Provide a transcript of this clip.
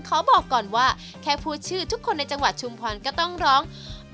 ขอบอกก่อนว่าแค่พูดชื่อทุกคนในจังหวัดชุมพรก็ต้องร้อง